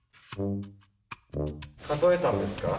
数えたんですか？